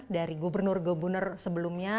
dari gubernur gubernur sebelumnya